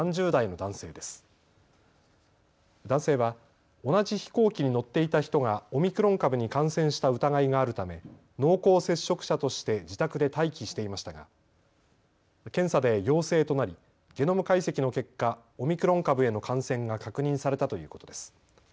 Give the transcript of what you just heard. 男性は同じ飛行機に乗っていた人がオミクロン株に感染した疑いがあるため濃厚接触者として自宅で待機していましたが検査で陽性となり、ゲノム解析の結果、オミクロン株への感染が確認されたということです。